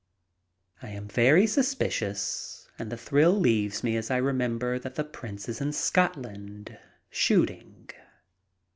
I am very suspicious, and the thrill leaves me as I remember that the Prince is in Scotland, shooting.